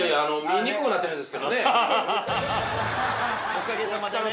おかげさまでね。